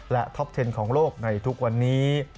และท็อปเทนของโลกในทุกวันนี้